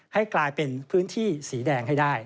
ให้กลายเป็นพื้นที่สีแดงให้ได้